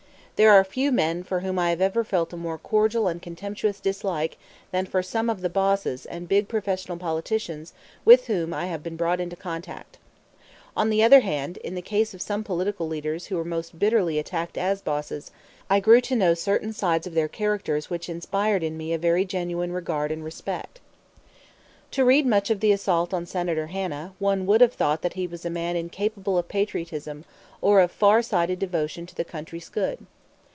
There are few men for whom I have ever felt a more cordial and contemptuous dislike than for some of the bosses and big professional politicians with whom I have been brought into contact. On the other hand, in the case of some political leaders who were most bitterly attacked as bosses, I grew to know certain sides of their characters which inspired in me a very genuine regard and respect. To read much of the assault on Senator Hanna, one would have thought that he was a man incapable of patriotism or of far sighted devotion to the country's good.